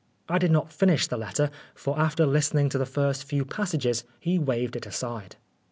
I did not finish the letter, for after listening to the first few passages he waved it aside.